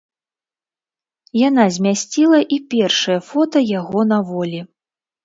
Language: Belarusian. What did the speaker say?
Яна змясціла і першае фота яго на волі.